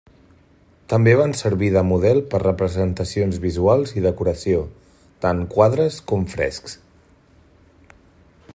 També van servir de model per representacions visuals i decoració, tant quadres com frescs.